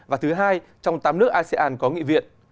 và thứ hai trong tám nước asean có nghị viện